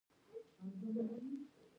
ایا ستاسو ځواب به تیار وي؟